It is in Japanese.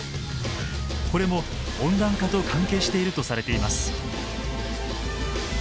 これも温暖化と関係しているとされています。